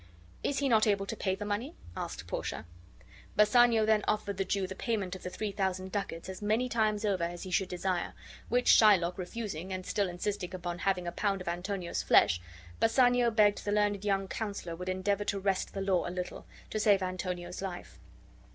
"Is he not able to pay the money?" asked Portia. Bassanio then offered the Jew the payment of the three thousand ducats as many times over as he should desire; which Shylock refusing, and still insisting upon having a pound of Antonio's flesh, Bassanio begged the learned young counselor would endeavor to wrest the law a little, to save Antonio's life.